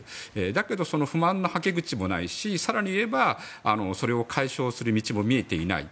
だけどその不満のはけ口もないし更に言えばそれを解消する道も見えていない。